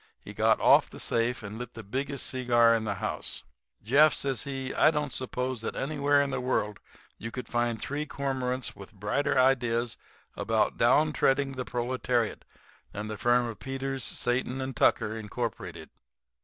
He got off the safe and lit the biggest cigar in the house. [Illustration: "Andy was especial inroaded by self esteem."] "'Jeff,' says he, 'I don't suppose that anywhere in the world you could find three cormorants with brighter ideas about down treading the proletariat than the firm of Peters, Satan and Tucker, incorporated.